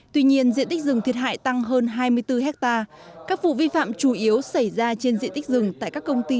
tuy nhiên diện tích rừng thiệt hại tăng hơn hai mươi bốn hectare các vụ vi phạm chủ yếu xảy ra trên diện tích rừng tại các công ty